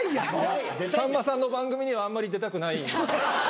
さんまさんの番組にはあんまり出たくない。